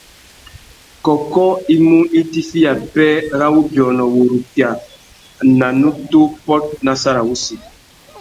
Kôkô i mú itiffiya pêh râ wubiônô wurukia a nà tumu pôt nà sarawussi.